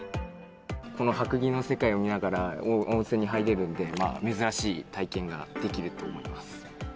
この白銀の世界を見ながら、温泉に入れるんで、珍しい体験ができると思います。